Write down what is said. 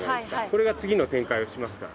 これが次の展開をしますから。